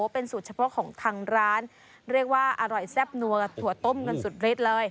เป็นสูตรเฉพาะของทางร้านเรียกว่าอร่อยแซ่บนัวถั่วต้มกันสุดฤทธิ์เลย